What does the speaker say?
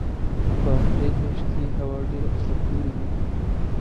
په اپرېل مياشت کې یې هوا ډېره په زړه پورې وي.